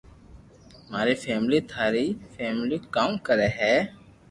مارو فيملي ٿاري فيملو ڪاو ڪري ھي